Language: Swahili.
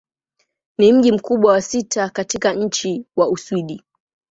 Ni mji mkubwa wa sita katika nchi wa Uswidi.